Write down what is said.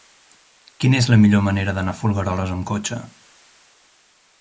Quina és la millor manera d'anar a Folgueroles amb cotxe?